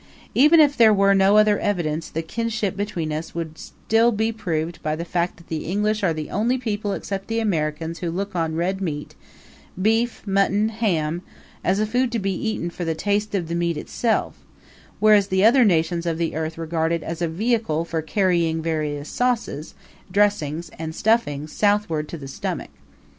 Even if there were no other evidences, the kinship between us would still be proved by the fact that the English are the only people except the Americans who look on red meat beef, mutton, ham as a food to be eaten for the taste of the meat itself; whereas the other nations of the earth regard it as a vehicle for carrying various sauces, dressings and stuffings southward to the stomach.